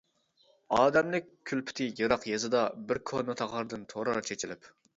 ئادەملىك كۈلپىتى يىراق يېزىدا، بىر كونا تاغاردىن تۇرار چېچىلىپ.